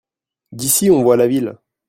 D'ici on voit la ville.